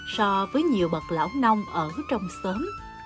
so với nhiều bậc lão nông ở trong xóm